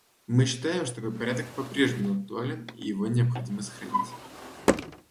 Мы считаем, что такой порядок по-прежнему актуален и что его необходимо сохранить.